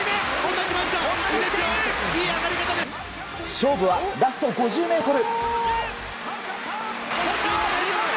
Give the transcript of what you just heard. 勝負はラスト５０ｍ。